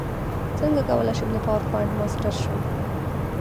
څنګه کولی شم د پاورپاینټ ماسټر شم